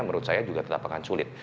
menurut saya juga tidak akan sulit